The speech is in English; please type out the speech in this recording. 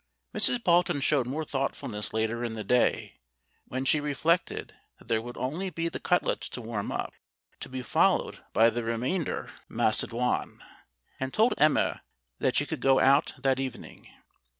Mrs. Palton showed more thought fulness later in the day, when she reflected that there would only be the cutlets to warm up, to be followed by the remainder macedoine, and told Emma that she could go out that evening.